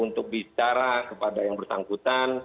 untuk bicara kepada yang bersangkutan